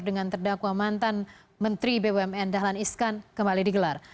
dengan terdakwa mantan menteri bumn dahlan iskan kembali digelar